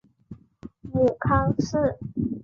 母康氏。